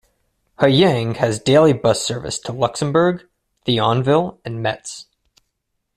Hayange has daily bus service to Luxembourg, Thionville and Metz.